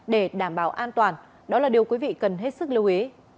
để đảm bảo an toàn đó là điều quý vị cần hết sức lưu ý